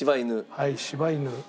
はい柴犬。